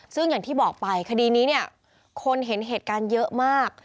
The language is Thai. ซึ่งอย่างที่บอกไปคดีนี้เนี่ยคนเห็นเหตุการณ์เยอะมาก